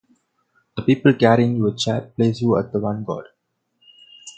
The people carrying your chair place you at the vanguard.